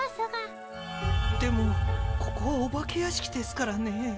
でもここはお化け屋敷ですからねえ。